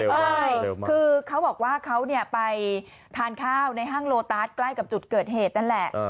ใช่คือเขาบอกว่าเขาไปทานข้าวในห้างโลตัสใกล้กับจุดเกิดเหตุนั่นแหละ